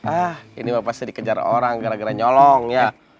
ah ini pasti dikejar orang gara gara nyolong ya